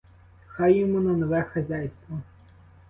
Хай йому на нове хазяйство.